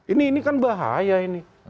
ini kan bahaya ini